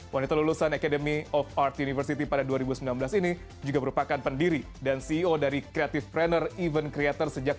wanita lulusan academy of art university pada dua ribu sembilan belas ini juga merupakan pendiri dan ceo dari creative planner event creator sejak dua ribu